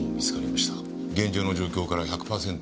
現場の状況から１００パーセント自殺。